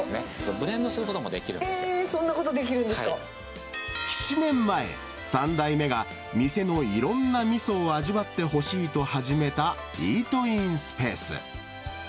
ブレンドすることもできるんですえー、７年前、３代目が店のいろんなみそを味わってほしいと始めたイートインスペース。